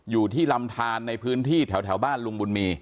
อยู่ที่ลำทานในพื้นที่แถวบ้านลุงบุญมี